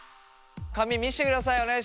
紙見してください。